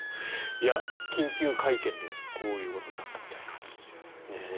緊急会見でこういうことになったみたいです。